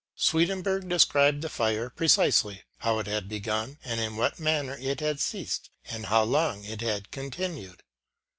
Swedenborg described the fire pre cisely, how it had begun and in what manner it had ceased, and how long it had continued.